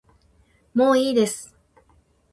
もういいです